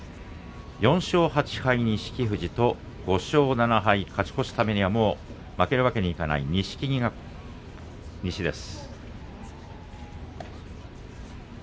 ４勝８敗の錦富士と５勝７敗、勝ち越すためにはもう負けることができない錦木が右です。